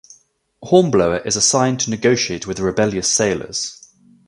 Hornblower is assigned to negotiate with the rebellious sailors.